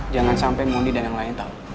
jangan sampai mundi dan yang lain tahu